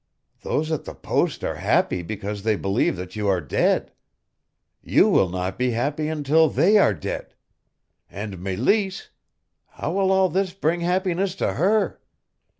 Those at the post are happy because they believe that you are dead. You will not be happy until they are dead. And Meleese how will all this bring happiness to her?